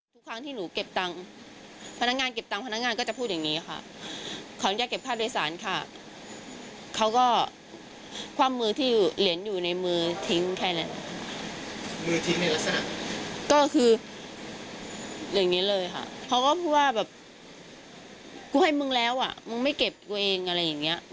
กูให้มึงแล้วอะมึงไม่เก็บกูเองอะไรอย่างเงี้ย